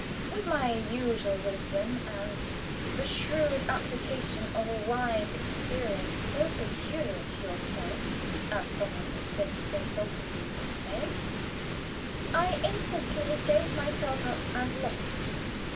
With my usual wisdom, and "the shrewd application of a wide experience so peculiar to yourself," as some one has since insulted me by saying, I instantly gave myself up as lost.